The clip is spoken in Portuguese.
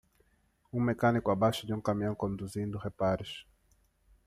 Um mecânico abaixo de um caminhão conduzindo reparos.